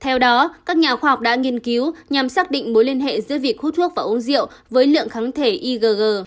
theo đó các nhà khoa học đã nghiên cứu nhằm xác định mối liên hệ giữa việc hút thuốc và uống rượu với lượng kháng thể igg